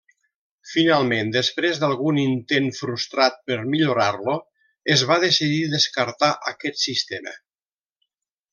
Finalment, després d'algun intent frustrat per millorar-lo, es va decidir descartar aquest sistema.